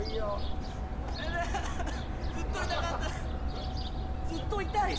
ずっと痛かった。